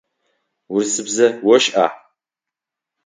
Урысыбзэ ошӏа?